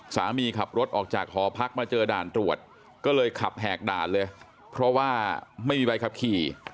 ตำรวจก็เลยขับแหกด่านเลยเพราะว่าไม่มีใบขับขี่